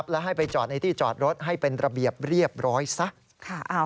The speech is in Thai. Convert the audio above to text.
และให้ไปจอดในที่จอดรถให้เป็นระเบียบเรียบร้อยซะ